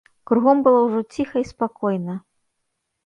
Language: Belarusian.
Кругом было ўжо ціха і спакойна.